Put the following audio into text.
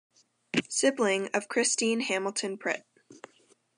Sibling of Christine Hamilton Pritt.